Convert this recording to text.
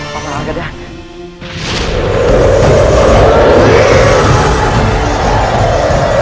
pak man argadana